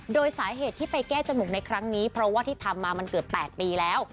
โดยสาเหตุที่ไปแก้จมูกในครั้งนี้เพราะว่าที่ทำมามันเกือบ๘ปีแล้ว